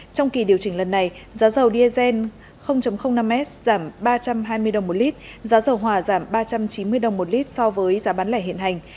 trong kỳ điều chỉnh lần này giá dầu diesel năm s giảm ba trăm hai mươi đồng một lít giá dầu hòa giảm ba trăm chín mươi đồng một lít so với giá bán lẻ hiện hành